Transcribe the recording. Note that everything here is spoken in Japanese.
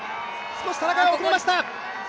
少し田中が遅れました。